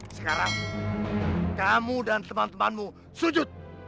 sekarang kamu dan teman temanmu sujud